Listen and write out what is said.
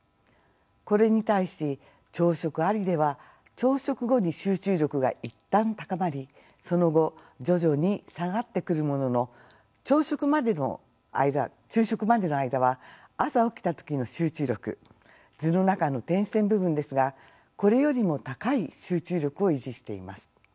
これに対し朝食ありでは朝食後に集中力が一旦高まりその後徐々に下がってくるものの昼食までの間は朝起きた時の集中力図の中の点線部分ですがこれよりも高い集中力を維持しています。